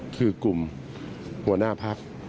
คือกลุ่มหัวหน้าพัก